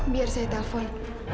biar saya telepon